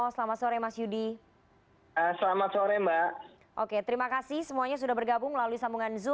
selamat sore indonesia